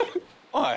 はい。